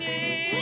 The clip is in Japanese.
え？